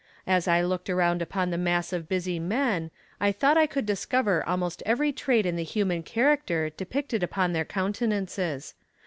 As I looked around upon that mass of busy men, I thought I could discover almost every trait in the human character depicted upon their countenances.